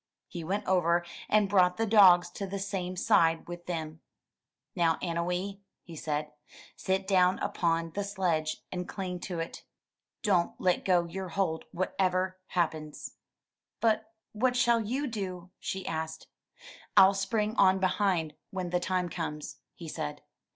He went over, and brought the dogs to the same side with them. Now, Annowee," he said, sit down upon the sledge and cling to it. Don't let go your hold what ever happens." But what shall you do?" she asked. *T'll spring on behind when the time comes," he said.